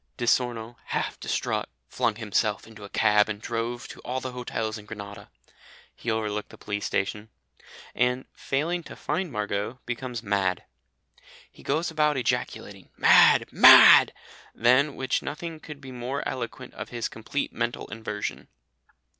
"Di Sorno, half distraught, flung himself into a cab and drove to all the hotels in Grenada" (he overlooked the police station), and, failing to find Margot, becomes mad. He goes about ejaculating "Mad, mad!" than which nothing could be more eloquent of his complete mental inversion.